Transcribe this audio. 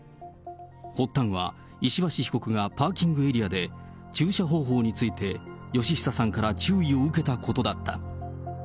発端は石橋被告がパーキングエリアで駐車方法について、嘉久さんから注意を受けたことだった。